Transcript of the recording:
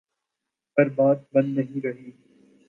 پر بات بن نہیں رہی۔